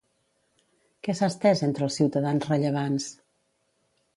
Què s'ha estès entre els ciutadans rellevants?